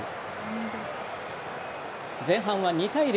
前半は２対０。